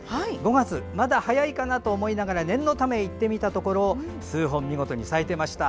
５月、まだ早いかなと思いながら念のため行ってみると数本、見事に咲いていました。